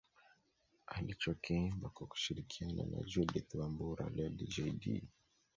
Alichokiimba kwa kushirikiana na Judith Wambura Lady Jaydee